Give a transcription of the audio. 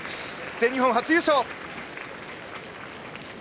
全日本初優勝！